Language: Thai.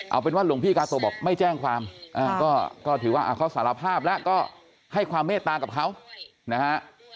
เอาเป็นว่าหลวงพี่กาโตบอกไม่แจ้งความก็ถือว่าเขาสารภาพแล้วก็ให้ความเมตตากับเขานะฮะ